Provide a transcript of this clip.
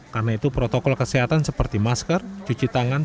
karena itu protokol kesehatan seperti masker cuci tangan